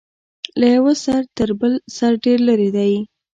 له یوه سر تر بل سر ډیر لرې دی.